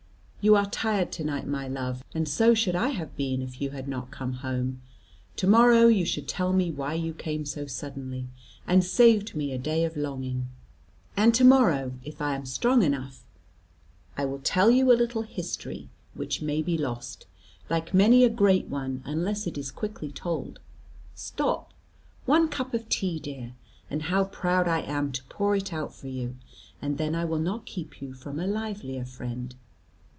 You are tired to night, my love, and so should I have been, if you had not come home. To morrow you shall tell me why you came so suddenly and saved me a day of longing. And to morrow, if I am strong enough, I will tell you a little history, which may be lost, like many a great one, unless it is quickly told. Stop one cup of tea, dear, and how proud I am to pour it out for you and then I will not keep you from a livelier friend.